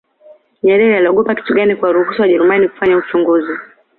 nyerere aliogopa kitu gani kuwaruhusu wajerumani kufanya uchunguzi